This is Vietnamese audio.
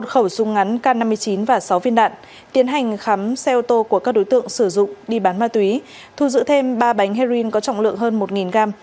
một khẩu súng ngắn k năm mươi chín và sáu viên đạn tiến hành khám xe ô tô của các đối tượng sử dụng đi bán ma túy thu giữ thêm ba bánh heroin có trọng lượng hơn một g